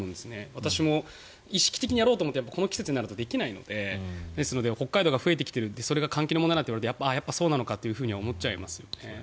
私も意識的にやろうと思ってもこの季節だとできないのでですので北海道が増えてきているそれが換気の問題だといわれるとやっぱりそうなのかって思っちゃいますよね。